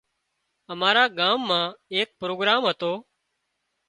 امارا ڳام مان ايڪ پروگرام هتو